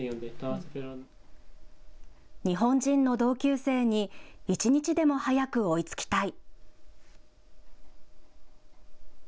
日本人の同級生に一日でも早く追いつきたい。